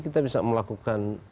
kita bisa melakukan